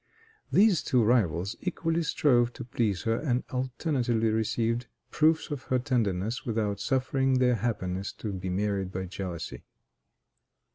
"These two rivals equally strove to please her, and alternately received proofs of her tenderness, without suffering their happiness to be marred by jealousy."